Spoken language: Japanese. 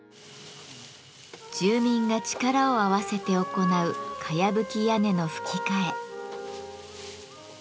住民が力を合わせて行うかやぶき屋根のふき替え。